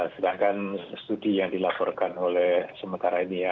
sedangkan studi yang dilaporkan oleh sementara ini ya